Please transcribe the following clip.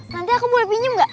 nanti aku boleh pinjam gak